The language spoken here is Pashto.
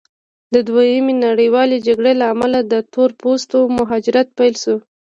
د دویمې نړیوالې جګړې له امله د تور پوستو مهاجرت پیل شو.